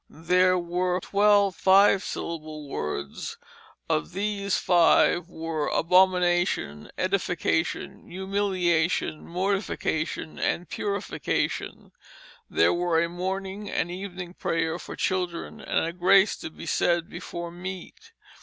There were twelve five syllable words; of these five were abomination, edification, humiliation, mortification, and purification. There were a morning and evening prayer for children, and a grace to be said before meat.